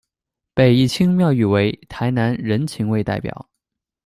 被一青妙誉为「台南人情味代表」。